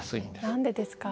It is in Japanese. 何でですか？